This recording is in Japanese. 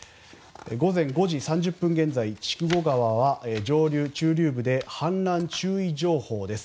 午前５時３０分現在筑後川は上流、中流部で氾濫注意情報です。